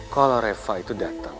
kalo reva itu dateng